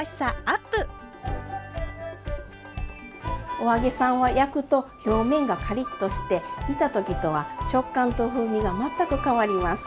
お揚げさんは焼くと表面がカリッとして煮た時とは食感と風味が全く変わります。